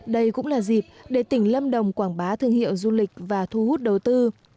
đây cũng là dịp để tỉnh lâm đồng quảng bá thương hiệu du lịch và thu hút đầu tư